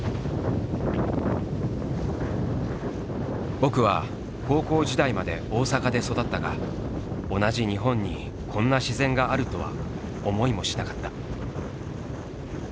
「僕」は高校時代まで大阪で育ったが同じ日本にこんな自然があるとは思いもしなかった。